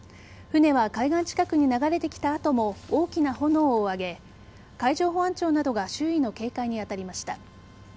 船は海岸近くに流れてきた後も大きな炎を上げ海上保安庁などが周囲の警戒に当たりました。